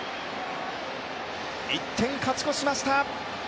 １点勝ち越しました。